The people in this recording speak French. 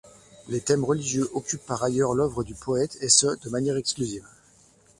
Les thèmes religieux occupent par ailleurs l’œuvre du poète, et ce, de manière exclusive.